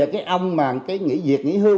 cái ông mà cái nghỉ diệt nghỉ hưu